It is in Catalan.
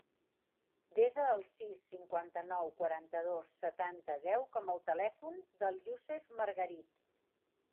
Desa el sis, cinquanta-nou, quaranta-dos, setanta, deu com a telèfon del Youssef Margarit.